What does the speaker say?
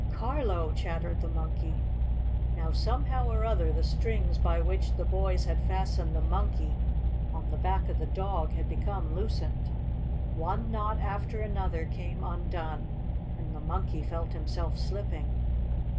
"Carlo!" chattered the Monkey. Now, somehow or other, the strings by which the boys had fastened the Monkey on the back of the dog had become loosened. One knot after another came undone, and the Monkey felt himself slipping.